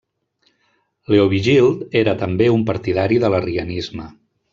Leovigild era també un partidari de l'arrianisme.